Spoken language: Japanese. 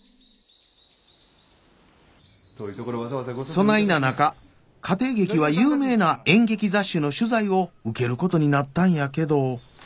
そないな中家庭劇は有名な演劇雑誌の取材を受けることになったんやけど。